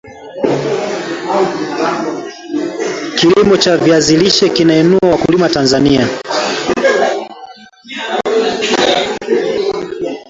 kilimo cha viazi lishe kinainua wakulima tanzania